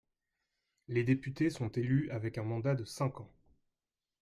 Les députés sont élus avec un mandat de cinq ans.